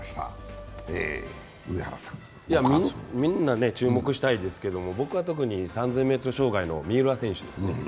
みんなね、注目したいですけど、僕は特に３０００ｍ障害の三浦選手ですね。